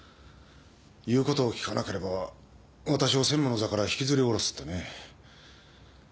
言うことを聞かなければ私を専務の座から引きずり降ろすってね。